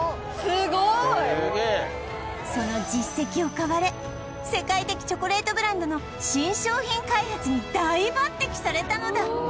その実績を買われ世界的チョコレートブランドの新商品開発に大抜擢されたのだ！